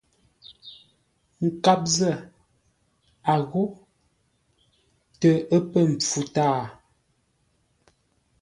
Nkâp zə̂, a ghô: tə ə́ pə̂ mpfu tâa.